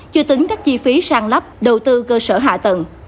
chưa tính các chi phí sang lắp đầu tư cơ sở hạ tầng